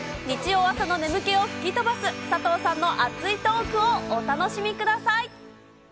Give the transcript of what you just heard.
日曜朝の眠気を吹き飛ばす、佐藤さんの熱いトークをお楽しみください。